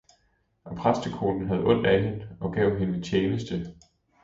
Og præstekonen havde ondt af hende og gav hende tjeneste.